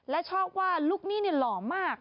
และชอบว่าลูกนี้เนี่ยหล่อมาก